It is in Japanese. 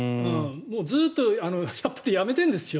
ずっとやっぱりやめてるんですよ。